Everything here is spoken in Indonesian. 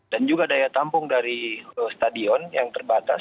dan juga daya tampung dari stadion yang terbatas